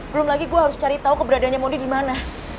belum lagi gua harus cari tahu keberadanya modi di mana